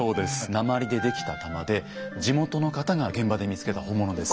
鉛で出来た玉で地元の方が現場で見つけた本物です。